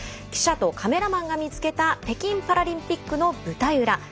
記者とカメラマンが見つけた北京パラリンピックの舞台裏